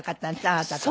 あなたと。